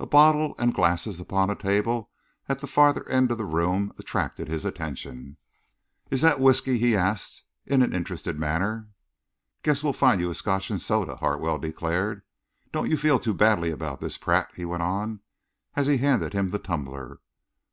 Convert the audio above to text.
A bottle and glasses upon a table at the farther end of the room attracted his attention. "Is that whisky?" he asked, in an interested manner. "Guess we'll find you a Scotch and soda," Hartwell declared. "Don't you feel too badly about this, Pratt," he went on, as he handed him the tumbler.